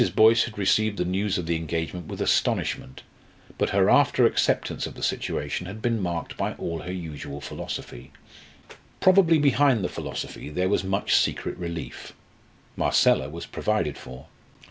Boyce had received the news of the engagement with astonishment, but her after acceptance of the situation had been marked by all her usual philosophy. Probably behind the philosophy there was much secret relief. Marcella was provided for.